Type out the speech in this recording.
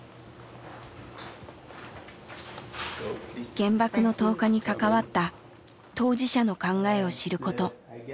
原爆の投下に関わった当事者の考えを知ること。